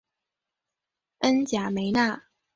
恩贾梅纳。